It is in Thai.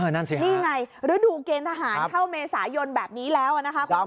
นั่นสินี่ไงฤดูเกณฑ์ทหารเข้าเมษายนแบบนี้แล้วนะคะคุณผู้ชม